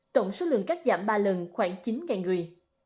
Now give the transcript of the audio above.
tổng số lượng cắt giảm ba lần khoảng chín người